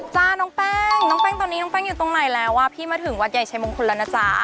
จ้าน้องแป้งน้องแป้งตอนนี้น้องแป้งอยู่ตรงไหนแล้วอ่ะพี่มาถึงวัดใหญ่ชัยมงคลแล้วนะจ๊ะ